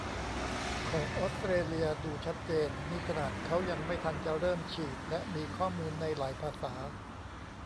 ของออสเตรเลีย ดูชัดเจน นี่ขนาดเค้ายังไม่ทันจะเริ่มฉีด และมีข้อมูลในหลายภาษา